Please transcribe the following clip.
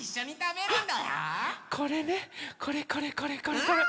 これねこれこれこれこれこれ。